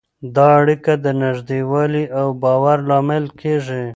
دا اړیکه د نږدېوالي او باور لامل کېږي.